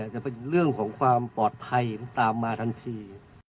จะเป็นเรื่องของความปลอดภัยมันตามมาทันที